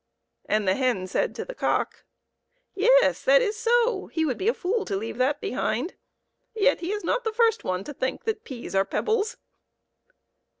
And the hen said to the cock, " Yes, that is so. He would be a fool to leave that behind, yet he is not the first one to think that peas are pebbles."